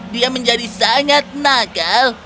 dia menjadi sangat nakal